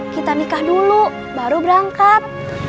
kita nikah dulu baru berangkat